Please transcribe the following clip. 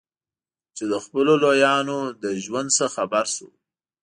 چې د خپلو لویانو له ژوند نه خبر شو.